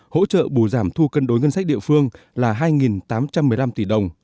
hỗ trợ bù giảm thu cân đối ngân sách địa phương là hai tám trăm một mươi năm tỷ đồng